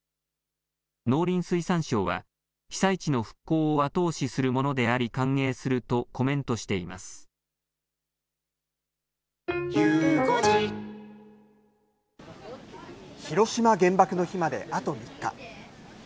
農林水産省は被災地の復興を後押しするものであり歓迎すると広島原爆の日まであと３日。